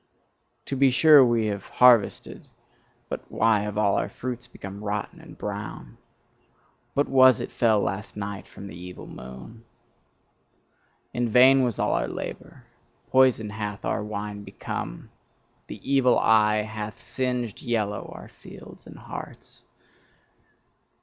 To be sure we have harvested: but why have all our fruits become rotten and brown? What was it fell last night from the evil moon? In vain was all our labour, poison hath our wine become, the evil eye hath singed yellow our fields and hearts.